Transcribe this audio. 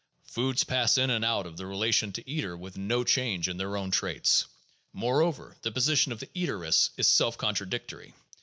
Foods pass in and out of the relation to eater with no change in their own traits. Moreover, the position of the eaterists is self contradictory.